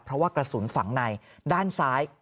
เพราะว่ากระสุนฝังในด้านซ้าย